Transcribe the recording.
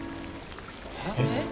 えっ？